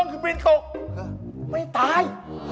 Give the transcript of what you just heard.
คือบินตกไม่ตาย